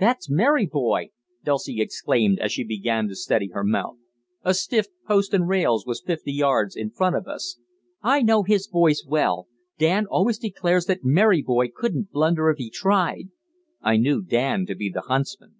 "That's Merry Boy," Dulcie exclaimed as she began to steady her mount a stiff post and rails was fifty yards in front of us. "I know his voice well. Dan always declares that Merry Boy couldn't blunder if he tried" I knew Dan to be the huntsman.